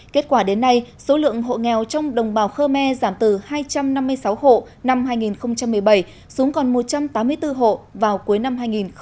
kết quả đến nay số lượng hộ nghèo trong đồng bào khơ me giảm từ hai trăm năm mươi sáu hộ năm hai nghìn một mươi bảy xuống còn một trăm tám mươi bốn hộ vào cuối năm hai nghìn một mươi tám